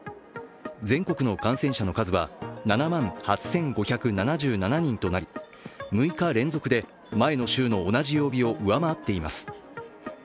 全国の感染者の数は７万８５７７人となり６日連続で前の週の同じ曜日を上回っています。